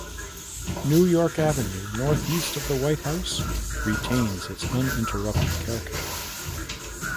New York Avenue northeast of the White House retains its uninterrupted character.